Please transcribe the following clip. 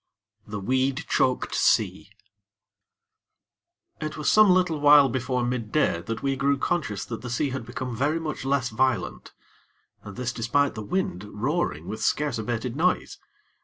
VI The Weed Choked Sea It was some little while before midday that we grew conscious that the sea had become very much less violent; and this despite the wind roaring with scarce abated noise.